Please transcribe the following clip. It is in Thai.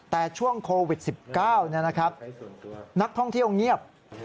แต่ช่วงโควิด๑๙นักท่องเที่ยวเงียบ